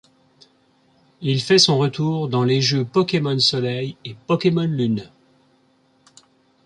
Il fait son retour dans les jeux Pokémon Soleil et Pokémon Lune.